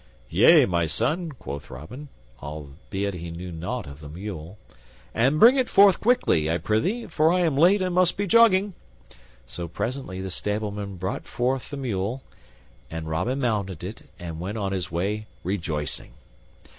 "Yea, my son," quoth Robin albeit he knew nought of the mule "and bring it forth quickly, I prythee, for I am late and must be jogging." So presently the stableman brought forth the mule, and Robin mounted it and went on his way rejoicing.